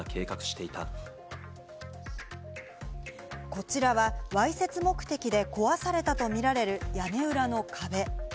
こちらはわいせつ目的で壊されたとみられる屋根裏の壁。